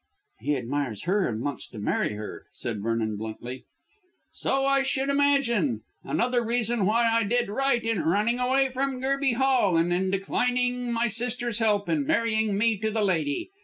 "He admires her and wants to marry her," said Vernon bluntly. "So I should imagine. Another reason why I did right in running away from Gerby Hall and in declining my sister's help in marrying me to the lady.